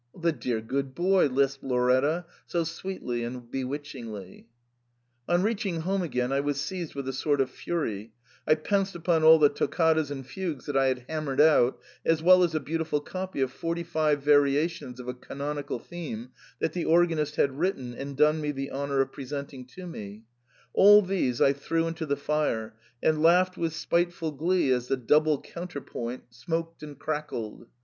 * The dear good boy !' lisped Lauretta, so sweetly and bewitchingly. On reaching home again, I was seized with a sort of fury : I pounced upon all the toccatas and fugues that I had hammered out, as well as a beautiful copy of forty five variations of a canonical theme that the organist had written and done me the honour of pre senting to me, — all these I threw into the fire, and laughed with spiteful glee as the double counterpoint smoked and crackled.